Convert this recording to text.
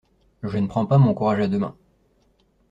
Je ne prends pas mon courage à deux mains.